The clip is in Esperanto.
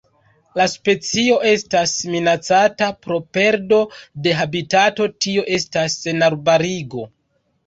La specio estas minacata pro perdo de habitato tio estas senarbarigo.